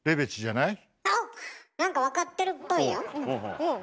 なんか分かってるっぽいよ。